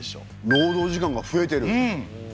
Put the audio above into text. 労働時間が増えてる！